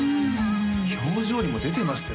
表情にも出てましたよ